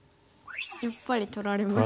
やっぱり取られますね。